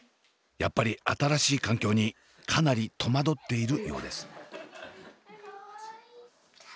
やっぱり新しい環境にかなり戸惑っているようです。